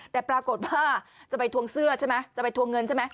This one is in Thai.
แต่ปรากฏว่าจะไปทวงเสื้อใช่ไหมจะไปทวงเงินใช่ไหม